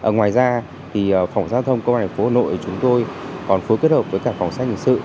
ngoài ra phòng giao thông công an tp hà nội chúng tôi còn phối kết hợp với cả phòng xét hình sự